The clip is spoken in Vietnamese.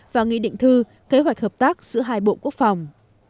và nghị định thư kế hoạch hợp tác giữa hai bộ quốc phòng